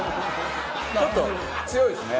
ちょっと強いですね。